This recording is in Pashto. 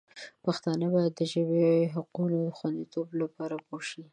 پښتانه باید د ژبې د حقونو د خوندیتوب لپاره پوه شي.